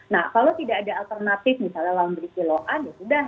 nah kalau tidak ada alternatif misalnya lawan berisi loan ya sudah